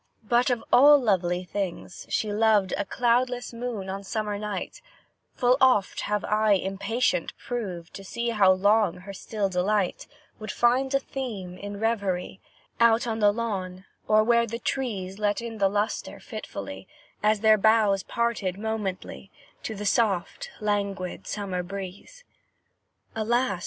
But of all lovely things, she loved A cloudless moon, on summer night, Full oft have I impatience proved To see how long her still delight Would find a theme in reverie, Out on the lawn, or where the trees Let in the lustre fitfully, As their boughs parted momently, To the soft, languid, summer breeze. Alas!